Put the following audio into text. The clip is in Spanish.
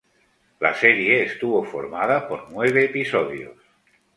La serie estuvo formada por nueve episodios.